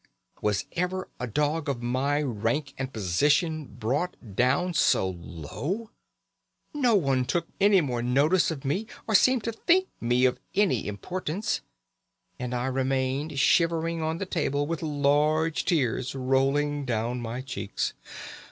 "Was ever a dog of my rank and position brought down so low? No one took any more notice of me, or seemed to think me of any importance, and I remained shivering on the table with large tears rolling down my cheeks.